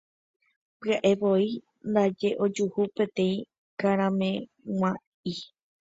Pya'evoi ndaje ojuhu peteĩ karameg̃ua'i.